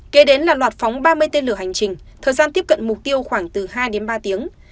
kế đến là loạt phóng ba mươi tên lửa hành trình thời gian tiếp cận mục tiêu khoảng từ hai đến ba tiếng